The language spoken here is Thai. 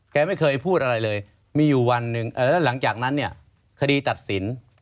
แกไม่เคยพูดอะไรเลยมีอยู่วันหนึ่งแล้วหลังจากนั้นเนี่ยคดีตัดสิน